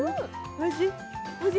おいしい人？